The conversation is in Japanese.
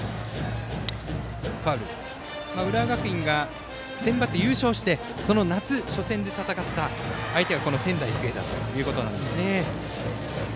浦和学院がセンバツで優勝してその夏の初戦で戦った相手が仙台育英だったんですね。